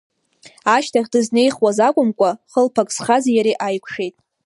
Ашьҭахь дызнеихуаз акәымкәа халԥак зхази ереи ааиқәшәит.